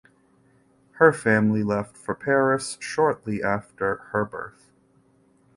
Her family left for Paris shortly after her birth.